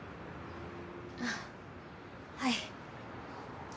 あっはい。